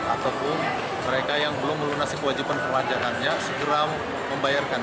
ataupun mereka yang belum melunasi kewajiban perwajahannya segera membayarkan